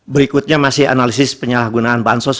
berikutnya masih analisis penyalahgunaan bansos